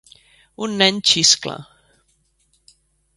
un nen xiscla.